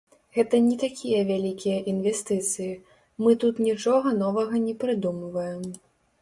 Гэта не такія вялікія інвестыцыі, мы тут нічога новага не прыдумваем.